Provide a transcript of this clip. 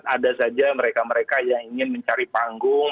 ada saja mereka mereka yang ingin mencari panggung